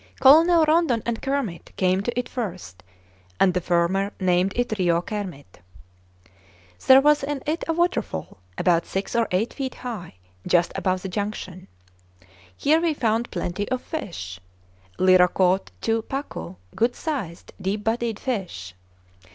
Colonel Rondon and Kermit came to it first, and the former named it Rio Kermit. There was in it a waterfall about six or eight feet high, just above the junction. Here we found plenty of fish. Lyra caught two pacu, good sized, deep bodied fish.